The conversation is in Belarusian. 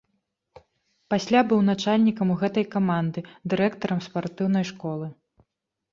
Пасля быў начальнікам гэтай каманды, дырэктарам спартыўнай школы.